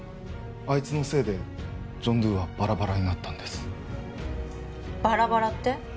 あいつのせいでジョン・ドゥはバラバラになったんですバラバラって？